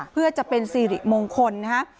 เพื่อจะเป็นสิริมงคลนะฮะ